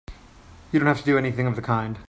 You don't have to do anything of the kind!